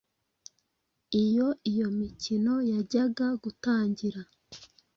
Iyo iyo mikino yajyaga gutangira,